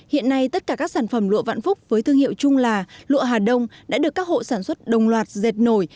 hiện nay tất cả các sản phẩm lụa vạn phúc với thương hiệu chung là lụa hà đông đã được các hộ sản xuất đồng loạt dệt nổi